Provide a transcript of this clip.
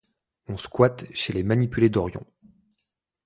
On squatte chez les manipulés d’Orion.